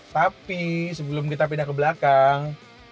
tapi sebelum kita pindah ke belakang